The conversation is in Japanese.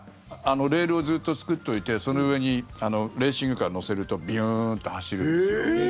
レールをずっと作っておいてその上にレーシングカーを乗せるとビューンって走るんですよ。